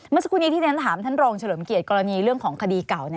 เมื่อสักครู่นี้ที่ฉันถามท่านรองเฉลิมเกียรติกรณีเรื่องของคดีเก่า